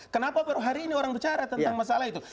kenapa baru hari ini orang bicara tentang masalah itu